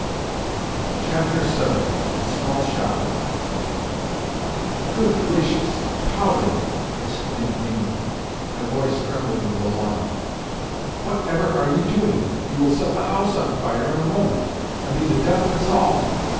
VII. SMALL SHOT "Good gracious! Powder!" exclaimed Mimi in a voice trembling with alarm. "Whatever are you doing? You will set the house on fire in a moment, and be the death of us all!"